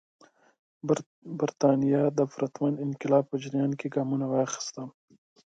برېټانیا د پرتمین انقلاب په جریان کې ګامونه واخیستل.